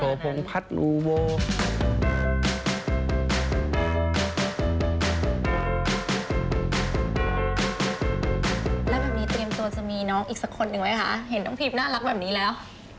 เห็นน้องพรีมน่ารักแบบนี้แล้ว